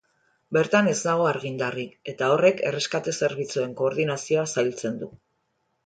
Bertan ez dago argindarrik, eta horrek erreskate zerbitzuen koordinazioa zailtzen du.